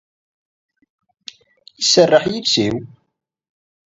Iserreḥ yiles-iw.